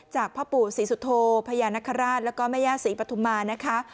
พ่อปู่ศรีสุโธพญานคราชแล้วก็แม่ย่าศรีปฐุมานะคะ